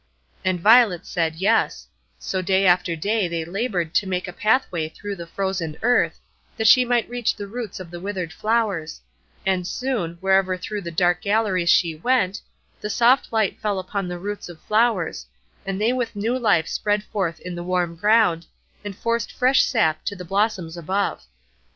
And Violet said, Yes; so day after day they labored to make a pathway through the frozen earth, that she might reach the roots of the withered flowers; and soon, wherever through the dark galleries she went, the soft light fell upon the roots of flowers, and they with new life spread forth in the warm ground, and forced fresh sap to the blossoms above.